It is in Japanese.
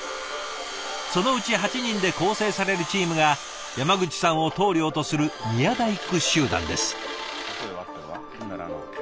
そのうち８人で構成されるチームが山口さんを棟梁とする宮大工集団です。